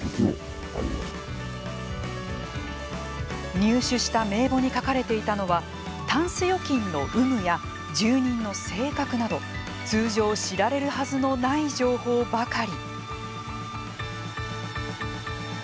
入手した名簿に書かれていたのはタンス預金の有無や住人の性格など通常知られるはずのない情報ばかり。